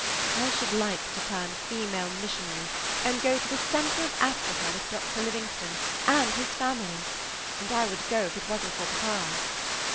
I should like to turn female missionary, and go to the centre of Africa with Dr. Livingstone and his family and I would go if it was n't for papa."